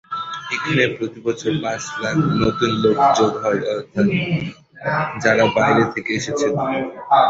এখানে প্রতিবছর পাঁচ লাখ নতুন লোক যোগ হয়, অর্থাৎ যাঁরা বাইরে থেকে এসেছেন।